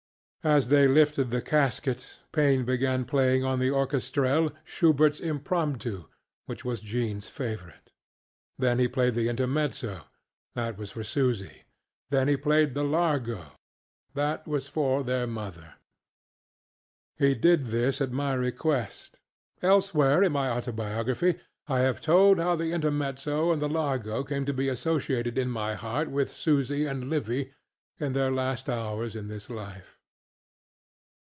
As they lifted the casket, Paine began playing on the orchestrelle SchubertŌĆÖs ŌĆ£Impromptu, ŌĆØ which was JeanŌĆÖs favorite. Then he played the Intermezzo; that was for Susy; then he played the Largo; that was for their mother. He did this at my request. Elsewhere in my Autobiography I have told how the Intermezzo and the Largo came to be associated in my heart with Susy and Livy in their last hours in this life.